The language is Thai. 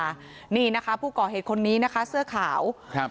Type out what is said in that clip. นี่นะคะผู้ก่อเหตุคนนี้นะคะเสื้อขาวครับ